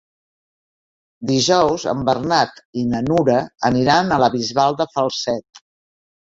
Dijous en Bernat i na Nura aniran a la Bisbal de Falset.